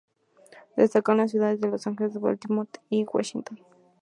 Destacando las ciudades de Los Ángeles, Baltimore y Washington.